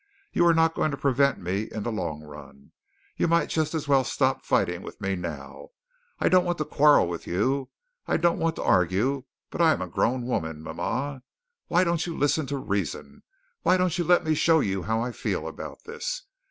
You are not going to prevent me in the long run. You might just as well stop fighting with me now. I don't want to quarrel with you. I don't want to argue, but I am a grown woman, mama. Why don't you listen to reason? Why don't you let me show you how I feel about this?